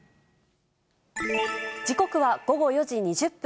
時刻は午後４時２０分。